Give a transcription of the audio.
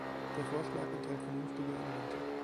Der Vorschlag enthält vernünftige Elemente.